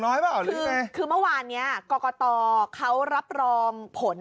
น้อยป่ะหรือนี่ไงคือเมื่อวานเนี้ยกกตเขารับรองผล